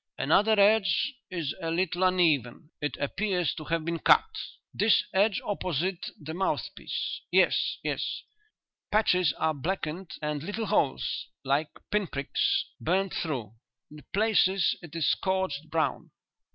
"Another edge is a little uneven; it appears to have been cut." "This edge opposite the mouthpiece. Yes, yes." "Patches are blackened, and little holes like pinpricks burned through. In places it is scorched brown."